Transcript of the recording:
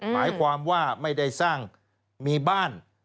หมายความว่าไม่ได้สร้างมีบ้าน